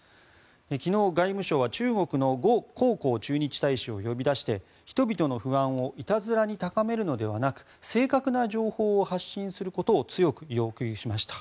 昨日、外務省は中国のゴ・コウコウ駐日大使を呼び出して人々の不安をいたずらに高めるのではなく正確な情報を発信することを強く要求しました。